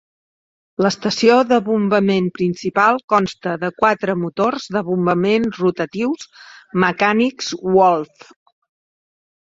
L"estació de bombament principal consta de quatre motors de bombament rotatius mecànics Woolf.